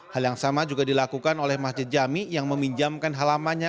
hal yang sama juga dilakukan oleh masjid jami yang meminjamkan halamannya